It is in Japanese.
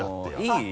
いい？